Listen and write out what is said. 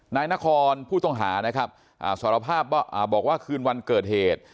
นายนครผู้ต้องหานะครับสารภาพบอกว่าคืนวันเกิดเหตุ